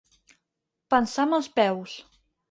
Pensar amb els peus.